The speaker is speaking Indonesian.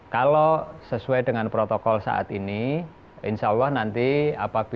kalau sesuai dengan protokol saat ini insya allah nanti apabila sampai empat belas hari tidak ditemukan gejala tanda dalam masa observasi